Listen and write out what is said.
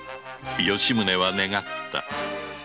吉宗は願った。